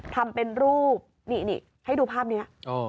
ทำเป็นรูปนี่ให้ดูภาพนี้